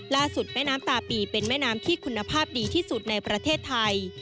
แม่น้ำตาปีเป็นแม่น้ำที่คุณภาพดีที่สุดในประเทศไทย